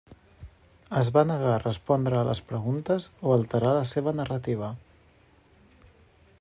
Es va negar a respondre a les preguntes o alterar la seva narrativa.